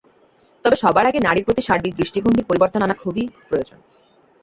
তবে সবার আগে নারীর প্রতি সার্বিক দৃষ্টিভঙ্গির পরিবর্তন আনা খুবই প্রয়োজন।